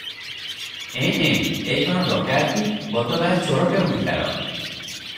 ଏଁ -ଏଁ -ଏ କଣ ଡକାଏତି! ବଦମାଏସ୍ ଚୋର କେଉଁଠିକାର ।